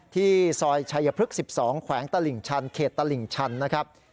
ที่ซอยชัยพฤกษ์๑๒แขวงตลิ่งชันเขตตลิ่งชันนะครับ